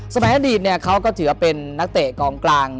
สมัยอดีตเขาก็ถือเป็นนักเตะกองกลาง